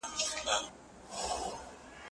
زه به سبا کتابونه لولم وم!!